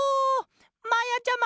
まやちゃま！